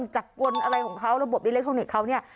จากกลอะไรของเขาระบบอิเล็กทรอนิกส์เขาเนี่ย